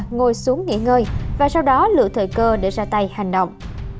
ngồi xuống nghỉ ngơi và sau đó lựa thời cơ để ra tay hành động